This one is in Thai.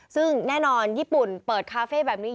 ซึ่งแน่นอนญี่ปุ่นเปิดคาเฟ่แบบนี้